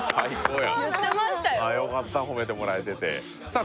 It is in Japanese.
よかった褒めてもらえててさあ